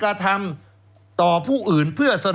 แล้วเขาก็ใช้วิธีการเหมือนกับในการ์ตูน